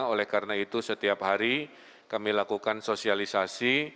oleh karena itu setiap hari kami lakukan sosialisasi